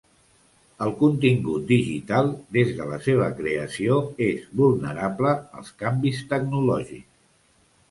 El contingut digital, des de la seva creació, és vulnerable als canvis tecnològics.